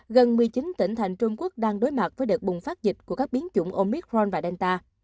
gần một mươi chín tỉnh thành trung quốc đang đối mặt với đợt bùng phát dịch của các biến chủng omic ron và delta